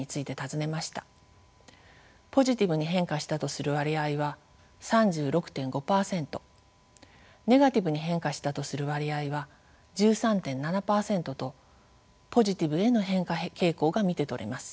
ポジティブに変化したとする割合は３６．５％ネガティブに変化したとする割合は１３．７％とポジティブへの変化傾向が見て取れます。